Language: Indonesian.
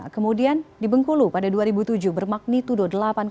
kemudian di bengkulu pada dua ribu tujuh bermagnitudo delapan tujuh